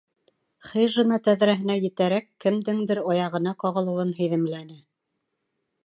Хижина тәҙрәһенә етәрәк, кемдеңдер аяғына ҡағылыуын һиҙемләне.